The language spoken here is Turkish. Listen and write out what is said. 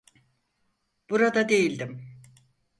Burada değildim.